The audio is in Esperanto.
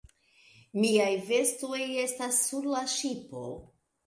Miaj vestoj estas sur la ŝipo.